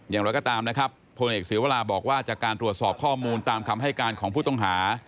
อย่างไรก็ตามนะครับพลเอกเสียวราบอกว่าจากการตรวจสอบข้อมูลตามคำให้การของผู้ต้องหา